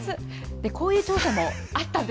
こういう調査もあったんです。